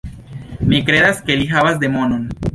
Mi kredas ke li havas demonon.